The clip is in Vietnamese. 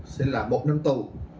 sẽ là một năm tù